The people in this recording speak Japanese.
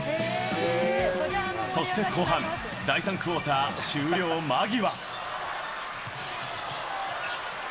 そして後半、第３クオーター終了間際。